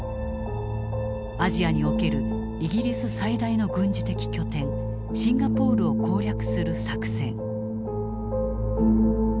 アジアにおけるイギリス最大の軍事的拠点シンガポールを攻略する作戦。